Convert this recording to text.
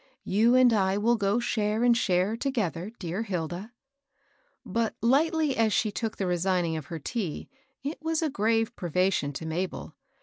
" You and I will go share and share together, dear Hilda." But, lightly as she took the resigning of her tea^ it was a grave privation to Mabel.